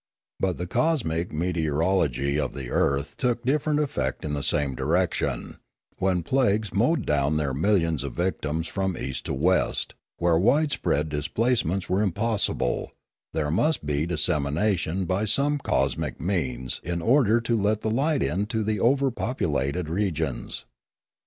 But the cosmic meteorology of the earth took different effect in the same direction, when plagues mowed down their millions of victims from east to west; where wide spread displacements are impossible, there must be decimation by some cosmic means in order to let the light into the overpopulated regions.